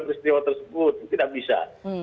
peristiwa tersebut tidak bisa